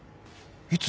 いつ？